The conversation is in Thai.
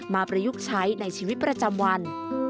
ประยุกต์ใช้ในชีวิตประจำวัน